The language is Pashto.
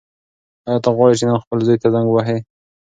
ایا ته غواړې چې نن خپل زوی ته زنګ ووهې؟